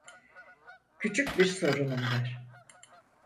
Küçük bir sorunum var.